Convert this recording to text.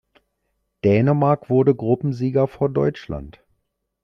Dänemark wurde Gruppensieger vor Deutschland.